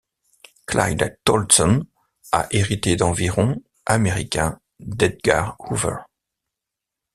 Clyde Tolson a hérité d'environ américains d'Edgar Hoover.